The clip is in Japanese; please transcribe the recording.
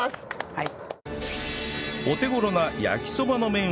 はい。